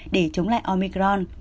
để chống lại omicron